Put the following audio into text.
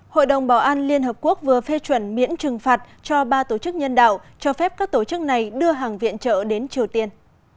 hội đồng bảo an liên hợp quốc vừa phê chuẩn miễn trừng phạt cho ba tổ chức nhân đạo cho phép các tổ chức này đưa hàng viện trợ đến triều tiên